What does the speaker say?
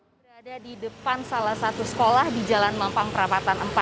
saya berada di depan salah satu sekolah di jalan mampang perapatan empat